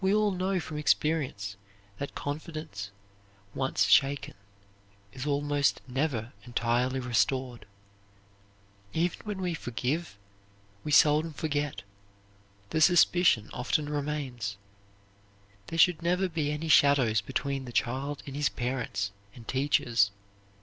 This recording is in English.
We all know from experience that confidence once shaken is almost never entirely restored. Even when we forgive, we seldom forget; the suspicion often remains. There should never be any shadows between the child and his parents and teachers.